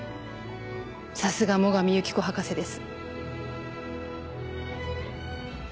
さすが最上友紀子博士です。